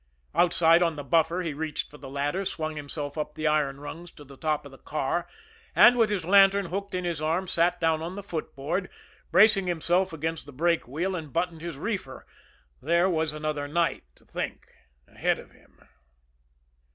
Outside on the buffer, he reached for the ladder, swung himself up the iron rungs to the top of the car, and, with his lantern hooked in his arm, sat down on the footboard, bracing himself against the brake wheel, and buttoned his reefer there was another night to think ahead of him.